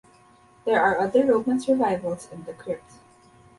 There are other Roman survivals in the crypt.